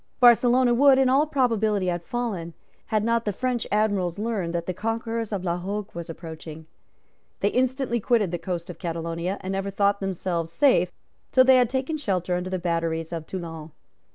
Barcelona would in all probability have fallen, had not the French Admirals learned that the conquerors of La Hogue was approaching. They instantly quitted the coast of Catalonia, and never thought themselves safe till they had taken shelter under the batteries of Toulon.